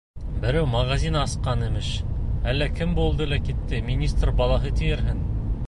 Берәү магазин асҡан, имеш, әллә кем булды ла китте, министр балаһы тиерһең.